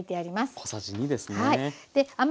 小さじ２ですね。